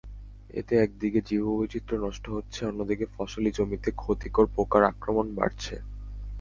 এতে একদিকে জীববৈচিত্র্য নষ্ট হচ্ছে, অন্যদিকে ফসলি জমিতে ক্ষতিকর পোকার আক্রমণ বাড়ছে।